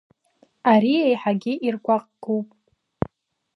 Ари еиҳагьы иргәаҟгоуп.